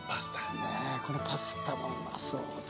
ねえこのパスタもうまそうだな。